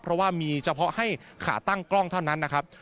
เพราะว่ามีเฉพาะให้ขาตั้งกล้องเท่านั้นนะครับ